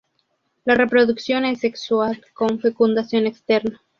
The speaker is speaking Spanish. La reproducción es sexual con fecundación externa.